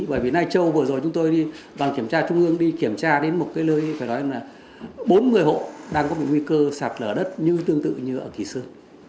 bởi vì lai châu vừa rồi chúng tôi đi bằng kiểm tra trung ương đi kiểm tra đến một cái lưới phải nói là bốn mươi hộ đang có một nguy cơ sản lở đất như tương tự như ở kỳ xưa